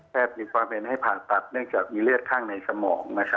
แพทย์มีความเป็นปัจจัดในเรือดข้างในสมอง